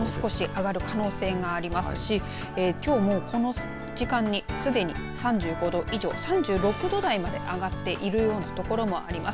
もう少し上がる可能性がありますし、きょうもこの時間にすでに３５度以上、３６度台まで上がっているようなところもあります。